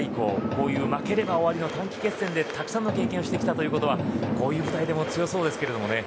こういう負ければ終わりの短期決戦でたくさんの経験をしてきたということはこういう舞台に強そうですよね。